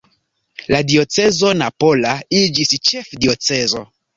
La diocezo napola iĝis ĉefdiocezo.